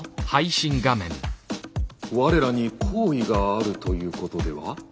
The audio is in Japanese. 我らに好意があるということでは？